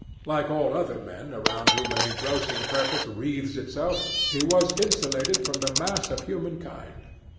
Like all other men around whom an engrossing purpose wreathes itself, he was insulated from the mass of humankind.